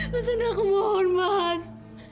mas sandra aku mohon mas